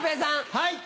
はい。